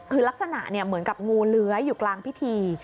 คือลักษณะเหมือนกับงูเลื้อยอยู่กลางพิธี